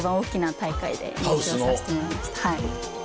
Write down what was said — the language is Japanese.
はい。